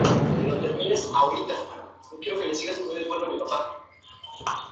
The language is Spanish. Tuvo cinco hijos.